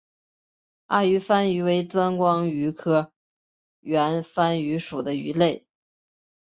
暗圆帆鱼为钻光鱼科圆帆鱼属的鱼类。